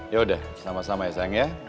yaudah sama sama ya sayang ya